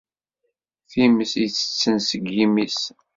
Times ittetten seg yimi-s.